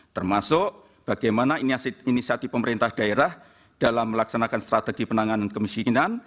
termasuk bagaimana inisiatif pemerintah daerah dalam melaksanakan strategi penanganan kemiskinan